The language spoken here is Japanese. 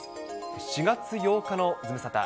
４月８日のズムサタ。